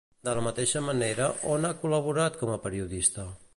De la mateixa manera, on ha col·laborat com a periodista?